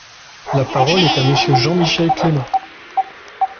La parole est à Monsieur Jean-Michel Clément.